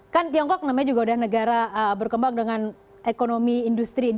kan tiongkok namanya juga udah negara berkembang dengan ekonomi industri